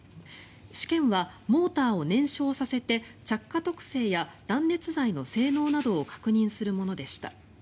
試験はモーターを燃焼させて着火特性や断熱材の性能などを確認するものでした。